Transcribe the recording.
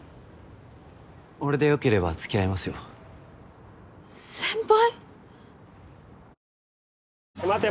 俺でよければ付き合いますよ先輩！？